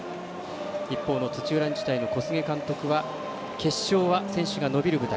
一方の土浦日大の小菅監督は決勝は選手が伸びる舞台。